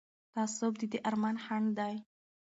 تعصب د دې ارمان خنډ دی